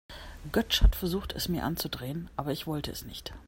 Götsch hat versucht, es mir anzudrehen, aber ich wollte es nicht.